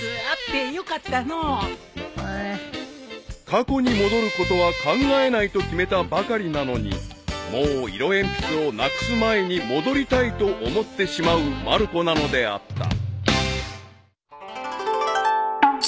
［過去に戻ることは考えないと決めたばかりなのにもう色鉛筆をなくす前に戻りたいと思ってしまうまる子なのであった］